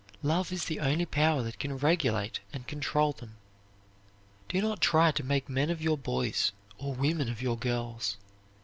Love is the only power that can regulate and control them. Do not try to make men of your boys or women of your girls.